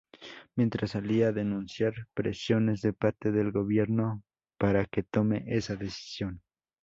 Mientras salía a denunciar presiones de parte del Gobierno para que tome esa decisión.